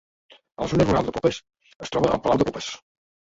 A la zona rural de Popes es troba el Palau de Popes.